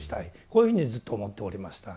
こういうふうにずっと思っておりました。